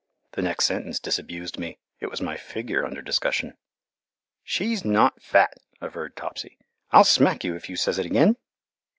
The next sentence disabused me it was my figure under discussion. "She's not fat!" averred Topsy. "I'll smack you if you says it again."